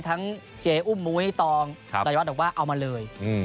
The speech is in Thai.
ทั้งเจอุ้มมูให้ตองรายวัชก็บอกว่าเอามาเลย